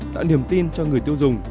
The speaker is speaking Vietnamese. tạo niềm tin cho người tiêu dùng